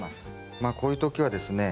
まあこういう時はですね